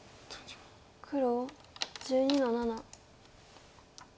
黒１２の七。